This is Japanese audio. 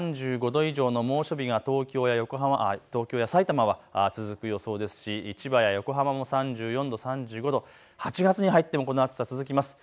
３５度以上の猛暑日が東京やさいたまは続く予想ですし千葉や横浜も３４度、３５度、８月に入ってもこの暑さ続きます。